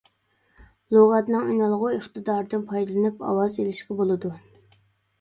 لۇغەتنىڭ ئۈنئالغۇ ئىقتىدارىدىن پايدىلىنىپ ئاۋاز ئېلىشقا بولىدۇ.